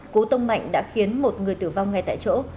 cú tông mạnh đã khiến một người tử vong ngay tại chỗ